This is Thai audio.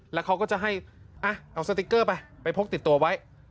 แล้วเขาก็จะให้เอาสติ๊กเกอร์ไปไปพกติดตัวไว้